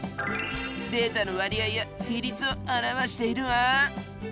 データの割合や比率を表しているわ。